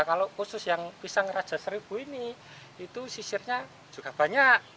kalau khusus yang pisang raja seribu ini itu sisirnya juga banyak